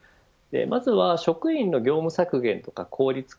まずは、職員の業務削減とか効率化